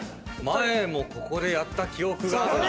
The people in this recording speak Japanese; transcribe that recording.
前もここでやった記憶があるな。